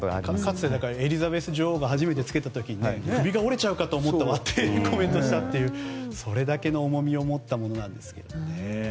かつてエリザベス女王が初めて着けた時って首が折れちゃうかと思ったわとコメントしたというそれだけの重みがあります。